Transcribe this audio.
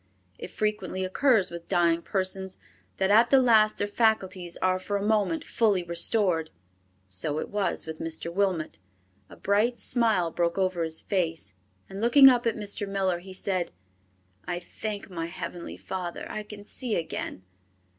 It frequently occurs with dying persons that at the last their faculties are for a moment fully restored. So it was with Mr. Wilmot. A bright smile broke over his face and looking up at Mr. Miller, he said, "I thank my Heavenly Father I can see again.